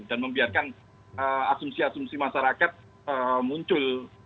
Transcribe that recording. dan membiarkan asumsi asumsi masyarakat muncul